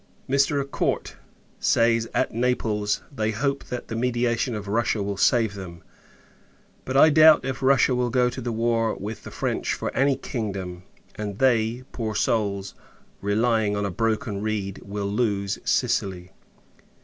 Mr. Acourt says, at Naples, they hope that the mediation of Russia will save them: but, I doubt, if Russia will go to war with the French for any kingdom; and they, poor souls! relying on a broken reed, will lose Sicily.